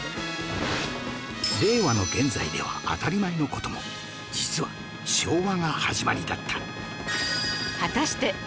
令和の現在では当たり前の事も実は昭和が始まりだった